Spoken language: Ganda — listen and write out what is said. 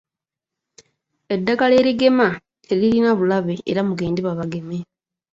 Eddagala erigema teririna bulabe era mugende babageme.